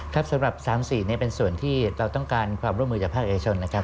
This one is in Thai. สำหรับ๓๔เป็นส่วนที่เราต้องการความร่วมมือจากภาคเอกชนนะครับ